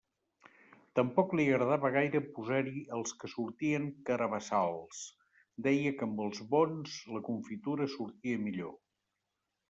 Tampoc li agradava gaire posar-hi els que sortien carabassals: deia que amb els bons la confitura sortia millor.